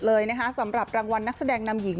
เลยนะคะสำหรับรางวัลนักแสดงนำหญิง